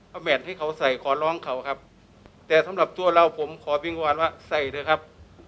เอาแมทให้เขาใส่ขอร้องเขาครับแต่สำหรับตัวเราผมขอพิงวานว่าใส่เถอะครับ